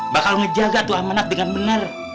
bakal ngejaga tuh amanat dengan benar